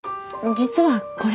実はこれ。